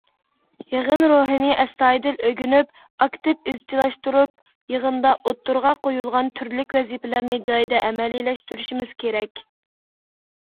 يىغىن روھىنى ئەستايىدىل ئۆگىنىپ، ئاكتىپ ئىزچىللاشتۇرۇپ، يىغىندا ئوتتۇرىغا قويۇلغان تۈرلۈك ۋەزىپىلەرنى جايىدا ئەمەلىيلەشتۈرۈشىمىز كېرەك.